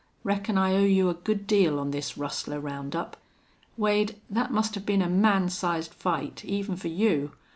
Reckon I owe you a good deal on this rustler round up. Wade, thet must have been a man sized fight, even fer you.